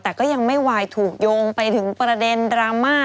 แต่ก็ยังไม่วายถูกโยงไปถึงประเด็นดราม่า